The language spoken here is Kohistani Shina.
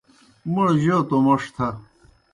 موْڑ جوْ توْ موْݜ تھہ۔